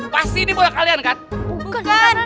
pasti ini bola kalian kan